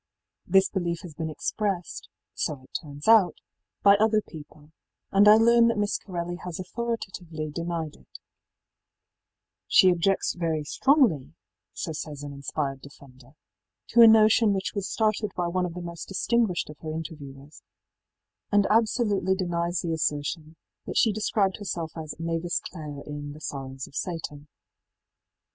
í This belief has been expressed so it turns out by other people, and I learn that Miss Corelli has authoritatively denied it ëShe objects very strongly,í so says an inspired defender, ëto a notion which was started by one of the most distinguished of her interviewers, and absolutely denies the assertion that she described herself as ìMavis Clareî in ìThe Sorrows of Satan.